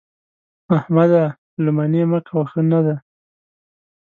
احمده! لو منې مه کوه؛ ښه نه ده.